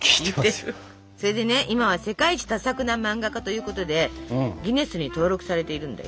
それで今は世界一多作な漫画家ということでギネスに登録されているんだよ。